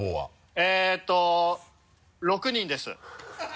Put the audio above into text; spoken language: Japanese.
えっと６人です。